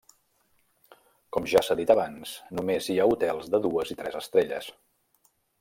Com ja s'ha dit abans, només hi ha hotels de dues i tres estrelles.